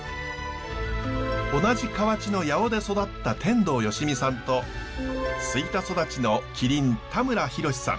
同じ河内の八尾で育った天童よしみさんと吹田育ちの麒麟田村裕さん。